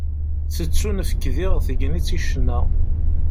Tettunefk diɣ tegnit i ccna.